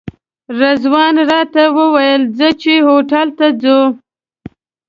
رضوان راته وویل ځه چې هوټل ته ځو.